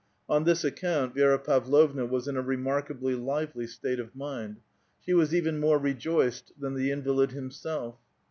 On this account Vi^ra Pavlovna was in a re markably lively state of mind ; she was even more rejoiced than the invalid himself.